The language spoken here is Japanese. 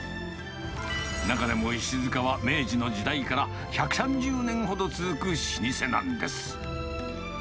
中でもいしづかは、明治の時代から１３０年ほど続く老舗なんです。